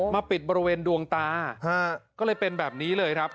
ปิดบริเวณดวงตาก็เลยเป็นแบบนี้เลยครับ